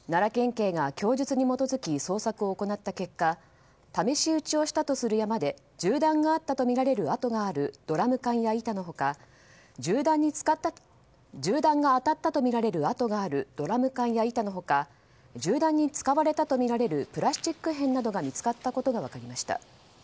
警が供述に基づき捜索を行った結果試し撃ちをしたとする山で銃弾が当たったとみられる跡があるドラム缶や板のほか銃弾が当たったとみられる跡があるドラム缶やプラスチック片などが見つかったことが分かりました。